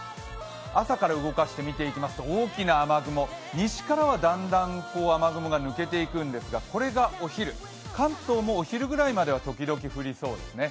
朝から動かしてみていきますと大きな雨雲、西からはだんだん雨雲が抜けていくんですがこれがお昼、関東もお昼ぐらいまでは時々、降りそうですね。